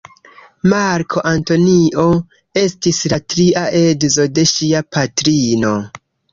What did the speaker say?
Marko Antonio estis la tria edzo de ŝia patrino.